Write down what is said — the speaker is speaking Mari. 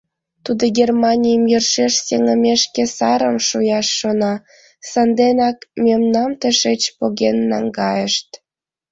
Тудо Германийым йӧршеш сеҥымешке сарым шуяш шона, санденак мемнам тышеч поген наҥгайышт.